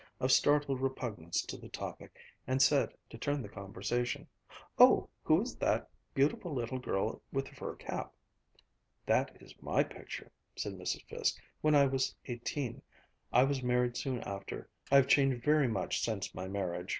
of startled repugnance to the topic, and said, to turn the conversation, "Oh, who is that beautiful little girl with the fur cap?" "That is my picture," said Mrs. Fiske, "when I was eighteen. I was married soon after. I've changed very much since my marriage."